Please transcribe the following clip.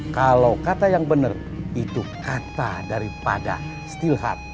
kalau kata yang bener itu kata daripada stillheart